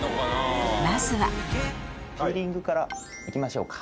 まずはピーリングから行きましょうか。